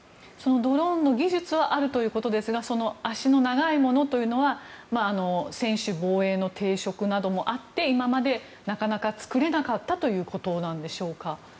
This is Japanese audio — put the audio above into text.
ドローンの技術はあるということですがその足の長いものというのは専守防衛の抵触などもあって今までなかなか作れなかったということでしょうか？